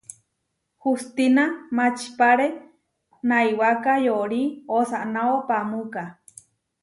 Hustína mačipáre naiwáka yorí osanáo paamúka.